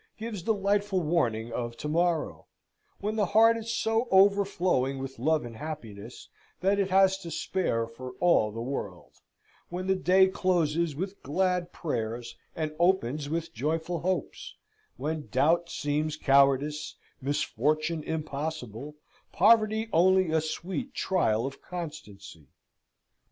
gives delightful warning of to morrow; when the heart is so overflowing with love and happiness, that it has to spare for all the world; when the day closes with glad prayers, and opens with joyful hopes; when doubt seems cowardice, misfortune impossible, poverty only a sweet trial of constancy!